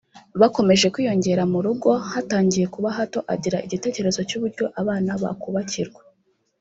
Bakomeje kwiyongera mu rugo hatangiye kuba hato agira igitekerezo cy’uburyo abana bakubakirwa